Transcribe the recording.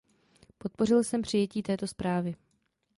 Podpořil jsem přijetí této zprávy.